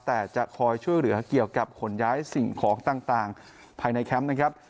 แต่จะคอยช่วยเหลือเกี่ยวกับขนย้ายสิ่งของต่างภายในแคมป์นะครับ